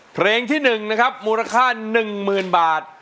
เพลงที่๑นะครับมูลค่า๑๐๐๐บาท